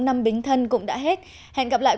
năm bình thân cũng đã hết hẹn gặp lại